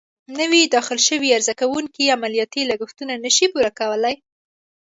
نوي داخل شوي عرضه کوونکې عملیاتي لګښتونه نه شي پوره کولای.